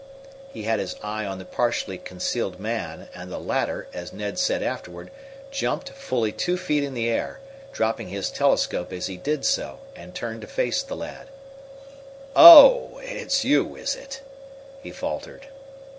He had his eye on the partially concealed man, and the latter, as Ned said afterward, jumped fully two feet in the air, dropping his telescope as he did so, and turning to face the lad. "Oh, it's you, is it?" he faltered.